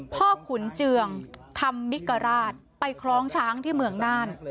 ขุนเจืองธรรมมิกราชไปคล้องช้างที่เมืองน่าน